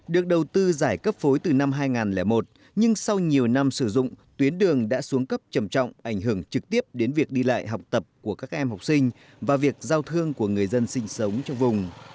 được đầu tư giải cấp phối từ năm hai nghìn một nhưng sau nhiều năm sử dụng tuyến đường đã xuống cấp trầm trọng ảnh hưởng trực tiếp đến việc đi lại học tập của các em học sinh và việc giao thương của người dân sinh sống trong vùng